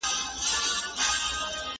بهرنۍ پالیسي د سیاسي فشار وسیله نه ګڼل کيږي.